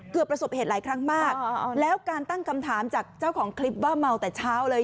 ประสบเหตุหลายครั้งมากแล้วการตั้งคำถามจากเจ้าของคลิปว่าเมาแต่เช้าเลย